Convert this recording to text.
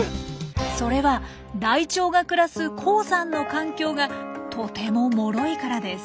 それはライチョウが暮らす高山の環境がとてももろいからです。